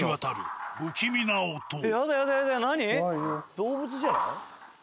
動物じゃない？